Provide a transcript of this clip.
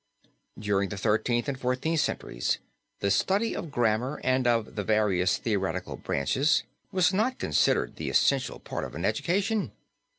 During the Thirteenth and Fourteenth centuries the study of grammar, and of the various theoretical branches, was not considered the essential part of an education.